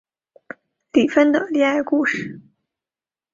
李锋的恋爱故事